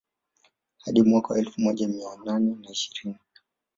Hadi mwaka wa elfu moja mia nane na ishirini